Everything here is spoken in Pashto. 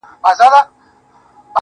په ورځ کي سل ځلي ځارېدله~